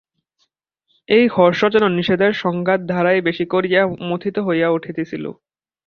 এই হর্ষ যেন নিষেধের সংঘাত-দ্বারাই বেশি করিয়া মথিত হইয়া উঠিতেছিল।